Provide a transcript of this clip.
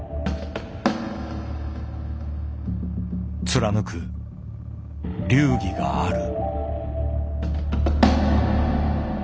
貫く流儀がある。